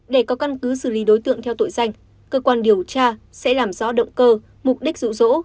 để có căn cứ xử lý đối tượng theo tội danh cơ quan điều tra sẽ làm rõ động cơ mục đích dụ dỗ